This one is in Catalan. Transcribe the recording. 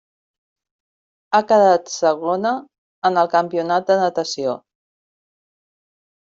Ha quedat segona en el campionat de natació.